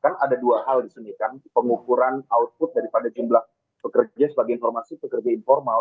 kan ada dua hal di sini kan pengukuran output daripada jumlah pekerja sebagai informasi pekerja informal